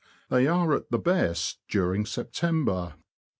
They are at the best during September.